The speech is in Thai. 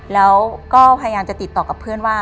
แล้วก็พยายามจะติดต่อกับเพื่อนว่า